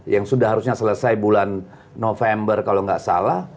yang sudah harusnya selesai bulan november kalau nggak salah